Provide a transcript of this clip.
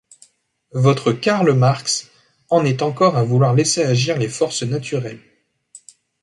Votre Karl Marx en est encore à vouloir laisser agir les forces naturelles.